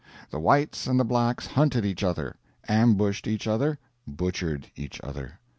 The Whites and the Blacks hunted each other, ambushed each other, butchered each other.